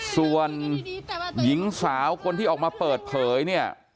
ส่วนหญิงสาวคนที่ออกมาเปิดเผยเนี่ย